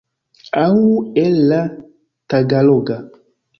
Aŭ el la tagaloga.